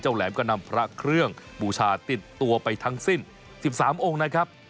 แหลมก็นำพระเครื่องบูชาติดตัวไปทั้งสิ้น๑๓องค์นะครับ